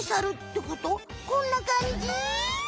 こんなかんじ？